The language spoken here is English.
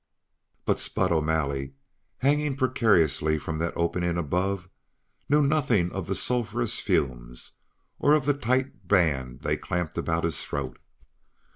But Spud O'Malley, hanging precariously from that opening above, knew nothing of the sulphurous fumes or of the tight band they clamped about his throat.